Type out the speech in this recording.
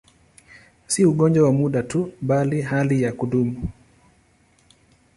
Si ugonjwa wa muda tu, bali hali ya kudumu.